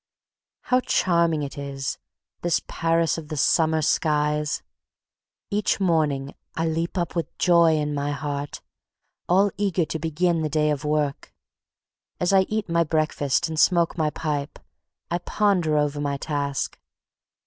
How charming it is, this Paris of the summer skies! Each morning I leap up with joy in my heart, all eager to begin the day of work. As I eat my breakfast and smoke my pipe, I ponder over my task.